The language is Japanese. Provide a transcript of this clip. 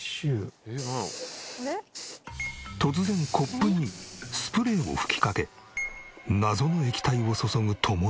突然コップにスプレーを吹きかけ謎の液体を注ぐとも姉。